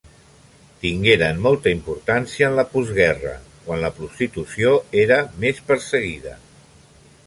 Tingueren molta importància en la postguerra quan la prostitució era més perseguida.